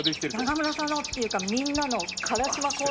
永村さんのっていうかみんなの辛島交差点の。